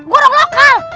gua orang lokal